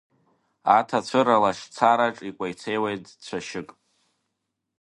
Аҭацәыра-лашьцараҿ икәеицеиуеит цәашьык.